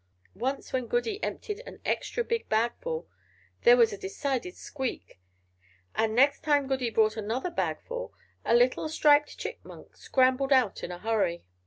Once when Goody emptied an extra big bagful, there was a decided squeak; and next time Goody brought another bagful, a little striped Chipmunk scrambled out in a hurry.